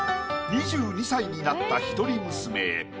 ２２歳になった一人娘へ。